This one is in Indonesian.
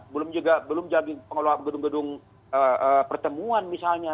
belum juga belum jadi pengelola gedung gedung pertemuan misalnya